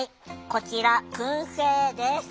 こちらくん製です。